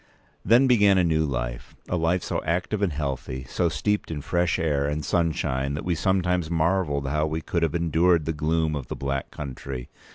Then began a new life—a life so active and healthy, so steeped in fresh air and sunshine, that we sometimes marvelled how we could have endured the gloom of the Black Country.